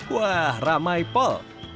wah ramai pol